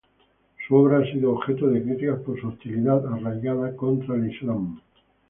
Su obra ha sido objeto de críticas, por su "hostilidad arraigada" contra el Islam.